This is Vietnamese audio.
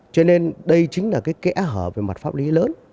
cho nên đây chính là cái kẽ hở về mặt pháp lý lớn